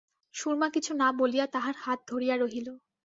সুরমা কিছু না বলিয়া তাহার হাত ধরিয়া রহিল।